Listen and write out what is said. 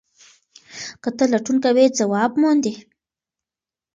که ته لټون کوې ځواب موندې.